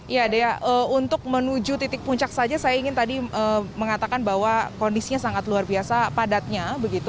ya dea untuk menuju titik puncak saja saya ingin tadi mengatakan bahwa kondisinya sangat luar biasa padatnya